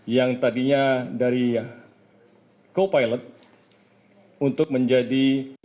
yang tadinya dari co pilot untuk menjadi